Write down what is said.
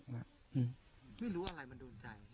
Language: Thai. ไม่รู้อะไรมันโดนใจ